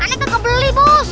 enak kekebeli bos